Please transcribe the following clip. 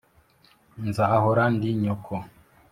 nzahora ndi nyoko